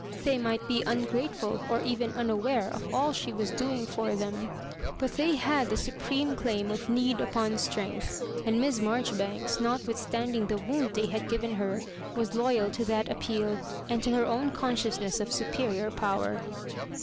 They might be ungratefhl, or even unaware, of all she was doing for them ; but they ^had the su preme claim of Keed upon Strength ; and Miss Maijoribanks, notwithstanding the wound they had g^ven her, was loyal to that appeal, and to her own consciousness of superior Power.